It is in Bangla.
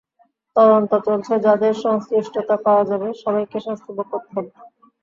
তদন্ত চলছে, যাঁদের সংশ্লিষ্টতা পাওয়া যাবে, সবাইকে শাস্তি ভোগ করতে হবে।